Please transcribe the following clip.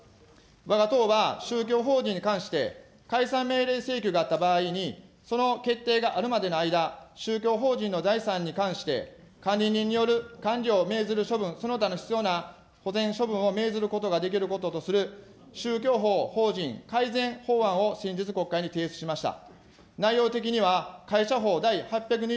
わが党は宗教法人に関して、解散命令請求があった場合に、その決定があるまでの間、宗教法人の財産に関して、かんり人による処分、その他の必要な保全処分を命ずることができることとする、宗教法法人改善法案を先日、国会に提出しました。